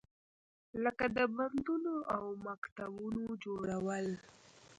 لکه د بندونو او مکتبونو جوړول.